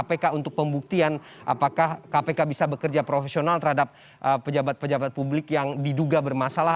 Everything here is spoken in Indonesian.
kpk untuk pembuktian apakah kpk bisa bekerja profesional terhadap pejabat pejabat publik yang diduga bermasalah